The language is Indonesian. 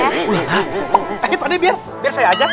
eh pak ade biar saya aja